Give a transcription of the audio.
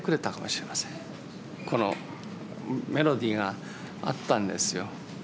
このメロディーがあったんですよ。